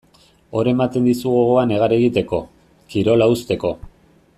Hor ematen dizu gogoa negar egiteko, kirola uzteko.